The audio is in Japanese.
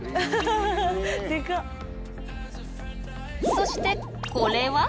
そしてこれは？